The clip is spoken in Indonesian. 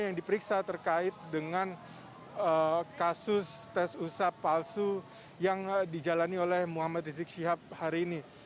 yang diperiksa terkait dengan kasus tes usap palsu yang dijalani oleh muhammad rizik syihab hari ini